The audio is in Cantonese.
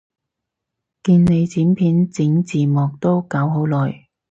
見你剪片整字幕都搞好耐